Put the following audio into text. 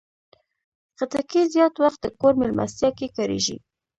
خټکی زیات وخت د کور مېلمستیا کې کارېږي.